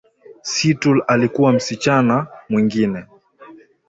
Seattle alikuwa msichana mwingine